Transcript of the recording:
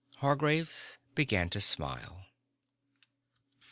Hargraves began to smile.